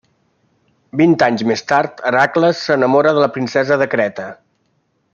Vint anys més tard, Hèracles s'enamora de la princesa de Creta.